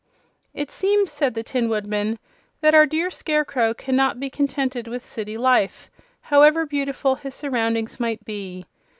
"It seems," said the Tin Woodman, "that our dear Scarecrow cannot be contented with city life, however beautiful his surroundings might be.